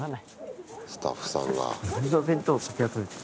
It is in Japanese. スタッフさんが。